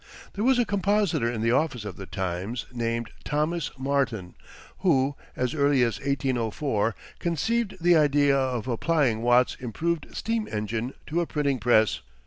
There was a compositor in the office of "The Times," named Thomas Martyn, who, as early as 1804, conceived the idea of applying Watt's improved steam engine to a printing press.